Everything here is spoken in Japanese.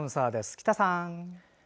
喜多さん！